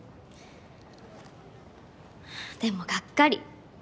でもがっかり。